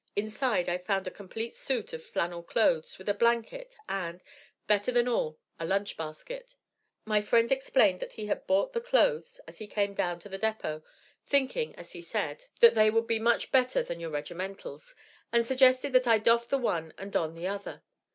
Inside I found a complete suit of flannel clothes with a blanket and, better than all, a lunch basket. My friend explained that he had bought the clothes as he came down to the depot, thinking, as he said, 'that they would be much better than your regimentals,' and suggested that I doff the one and don the other.